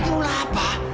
pikir lu apa